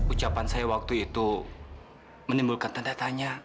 ucapan saya waktu itu menimbulkan tanda tanya